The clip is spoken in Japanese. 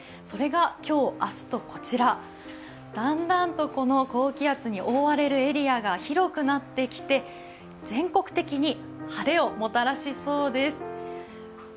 それが今日、明日とこちら、だんだんと高気圧に覆われるエリアが広くなってきて全国的に晴れをもたらしそうです。